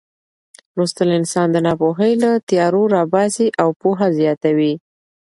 لوستل انسان د ناپوهۍ له تیارو راباسي او پوهه زیاتوي.